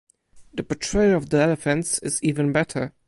The portrayal of the elephants is even better.